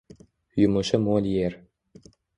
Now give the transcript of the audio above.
Yumushi mo’l Yer.